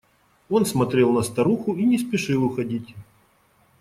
Он смотрел на старуху и не спешил уходить.